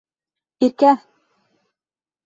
Иркә!..